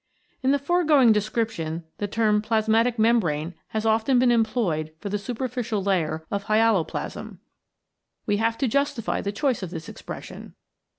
In the foregoing description the term Plasmatic Membrane has often been employed for the super ficial layer of hyaloplasm. We have to justify the choice of this expression.